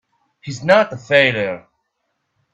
He's not a failure!